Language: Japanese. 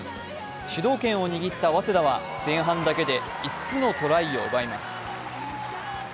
主導権を握った早稲田は前半だけで５つのトライを奪います。